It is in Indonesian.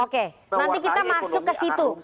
oke nanti kita masuk ke situ